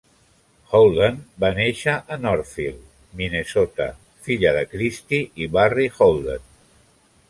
Holden va néixer a Northfield, Minnesota, filla de Kristi i Barry Holden.